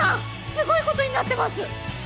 すごいことになってます！